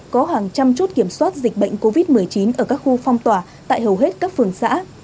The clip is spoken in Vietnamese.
có hàng trăm chốt kiểm soát dịch bệnh covid một mươi chín ở các khu phong tỏa tại hầu hết các phường xã